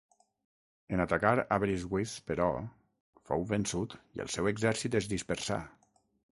En atacar Aberystwyth, però, fou vençut i el seu exèrcit es dispersà.